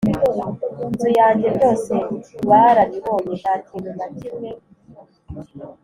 nzu yanjye byose barabibonye Nta kintu na kimwe